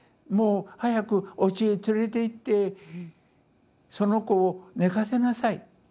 もう早くおうちへ連れていってその子を寝かせなさい」。